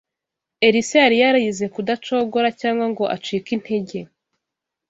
Elisa yari yarize kudacogora cyangwa ngo acike integer